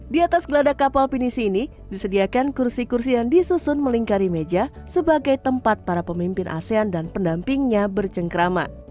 di atas geladak kapal pinisi ini disediakan kursi kursi yang disusun melingkari meja sebagai tempat para pemimpin asean dan pendampingnya bercengkrama